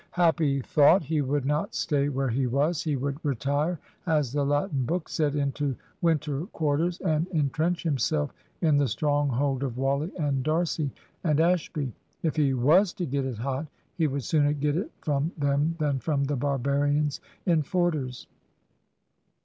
Happy thought! He would not stay where he was. He would retire, as the Latin book said, into winter quarters, and entrench himself in the stronghold of Wally and D'Arcy and Ashby. If he was to get it hot, he would sooner get it from them than from the barbarians in Forder's.